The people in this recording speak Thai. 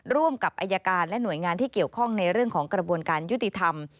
ร่วมกับอายการและหน่วยงานที่เกี่ยวข้องในเรื่องของกระบวนการยุติธรรม